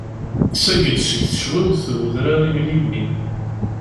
Isagg-d seg tecwawt n udrar imlilli.